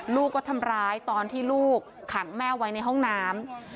ลูกก็ทำร้ายตอนที่ลูกขังแม่ไว้ในห้องน้ำ